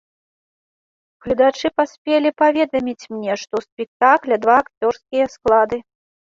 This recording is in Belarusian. Гледачы паспелі паведаміць мне, што ў спектакля два акцёрскія склады.